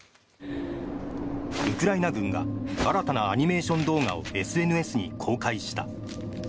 ウクライナ軍が新たなアニメーション動画をＳＮＳに公開した。